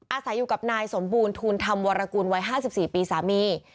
อาศัยอยู่กับนายสมบูรณ์ทูลธรรมวรกูลวัยห้าสิบสี่ปีสามี